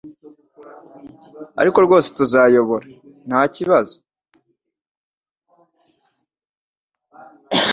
Ariko rwose tuzayobora. Ntakibazo.